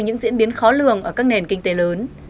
những diễn biến khó lường ở các nền kinh tế lớn